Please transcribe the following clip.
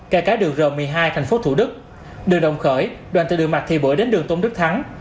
kể cả đường r một mươi hai thành phố thủ đức đường đồng khởi đoàn từ đường mạc thị bửa đến đường tôn đức thắng